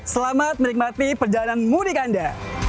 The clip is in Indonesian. selamat menikmati perjalanan mudik anda